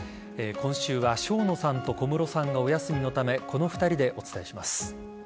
今週は、生野さんと小室さんがお休みのためこの２人でお伝えします。